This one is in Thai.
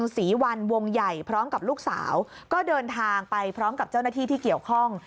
ศรีวันวงใหญ่พร้อมกับลูกสาวก็เดินทางไปพร้อมกับเจ้าหน้าที่ที่เกี่ยวข้อง